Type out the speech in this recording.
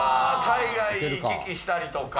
海外行き来したりとか。